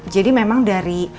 jadi memang dari